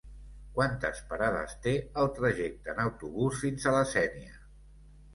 Quantes parades té el trajecte en autobús fins a la Sénia?